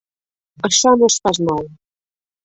Això no és pas nou.